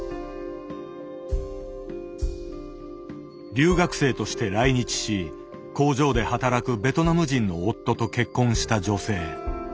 留学生として来日し工場で働くベトナム人の夫と結婚した女性。